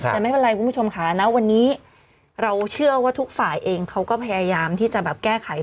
แต่ไม่เป็นไรคุณผู้ชมค่ะณวันนี้เราเชื่อว่าทุกฝ่ายเองเขาก็พยายามที่จะแบบแก้ไข